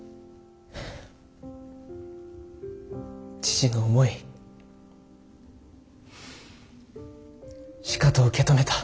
父の思いしかと受け止めた。